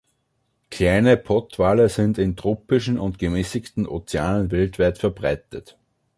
Kleine Pottwale sind in tropischen und gemäßigten Ozeanen weltweit verbreitet.